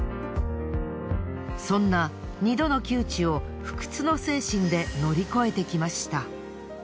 そんな２度の窮地を不屈の精神で乗り越えてきました。